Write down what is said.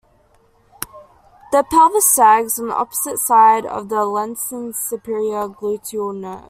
The pelvis sags on the opposite side of the lesioned superior gluteal nerve.